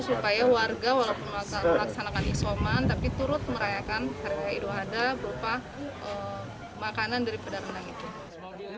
supaya warga walaupun melaksanakan isoman tapi turut merayakan hari raya idul adha berupa makanan daripada renang itu